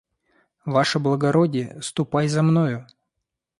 Ваше благородие, ступай за мною.